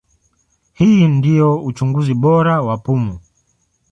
Hii ndio uchunguzi bora wa pumu.